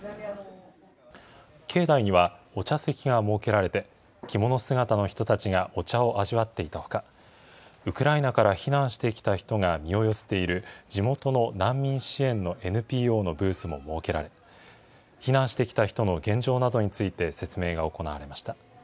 境内には、お茶席が設けられて、着物姿の人たちがお茶を味わっていたほか、ウクライナから避難してきた人が身を寄せている地元の難民支援のＮＰＯのブースも設けられ、避難してきた人の現状などについて、説明が行われました。